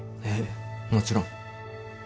ええもちろん。